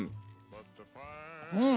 うん！